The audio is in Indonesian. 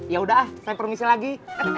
yaudah saya permisi lagi